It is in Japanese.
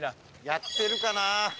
やってるかな？